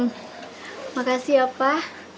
terima kasih pak